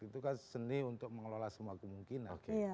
itu kan seni untuk mengelola semua kemungkinan